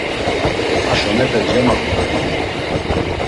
Haşonepe cemazmonert̆u.